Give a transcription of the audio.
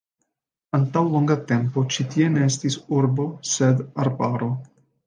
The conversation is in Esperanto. Antaŭ longa tempo ĉi tie ne estis urbo sed arbaro.